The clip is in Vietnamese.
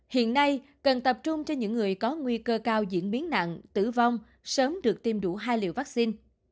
hiện nay cần tập trung cho những người có nguy cơ cao diễn biến nặng tử vong sớm được tiêm đủ hai liều vaccine